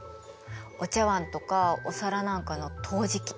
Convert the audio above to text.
お茶わんとかお皿なんかの陶磁器。